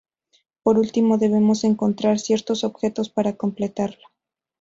Por último, debemos encontrar ciertos objetos para completarlo.